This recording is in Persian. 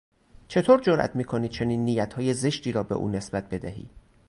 چطور جرئت میکنی چنین نیتهای زشتی را به او نسبت بدهی؟